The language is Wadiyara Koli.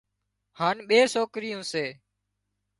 هانَ ٻي سوڪريون سي۔